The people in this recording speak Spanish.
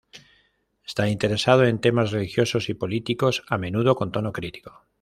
Está interesado en temas religiosos y políticos, a menudo con tono crítico.